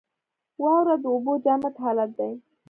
واوره د اوبو جامد حالت دی.